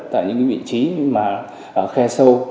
tại những vị trí khe sâu